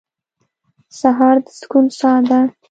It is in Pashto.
سهار د سکون ساه ده.